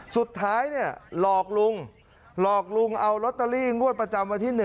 สุดท้ายเนี่ยหลอกลุงหลอกลุงเอาลอตเตอรี่งวดประจำวันที่๑